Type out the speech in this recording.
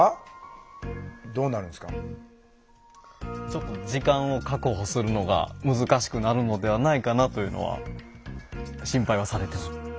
ちょっと時間を確保するのが難しくなるのではないかなというのは心配はされてます。